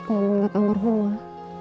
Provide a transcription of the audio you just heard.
kalau mengingat almarhumah